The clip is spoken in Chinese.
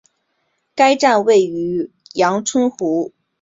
该站位于杨春湖路与明德路的交汇处。